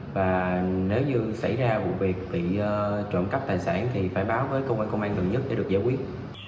và nếu như xảy ra vụ việc bị trộm cắp tài sản thì phải báo với công an công an gần nhất để được giải quyết